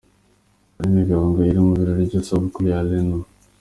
Aline Gahongayire mu birori by'isabukuru ya Alain Numa.